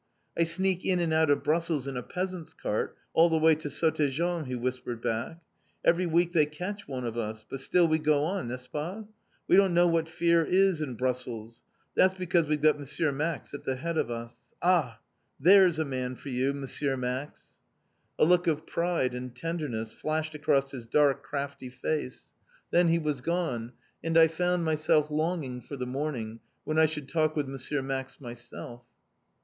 "I sneak in and out of Brussels in a peasant's cart, all the way to Sottegem," he whispered back. "Every week they catch one of us. But still we go on n'est ce pas? We don't know what fear is in Brussels. That's because we've got M. Max at the head of us! Ah, there's a man for you, M. Max!" A look of pride and tenderness flashed across his dark, crafty face, then he was gone, and I found myself longing for the morning, when I should talk with M. Max myself.